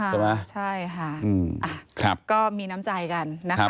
ใช่ไหมใช่ค่ะก็มีน้ำใจกันนะคะ